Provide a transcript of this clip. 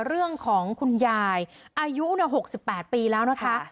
เรื่องของคุณยายอายุเนี่ย๖๘ปีแล้วนะคะ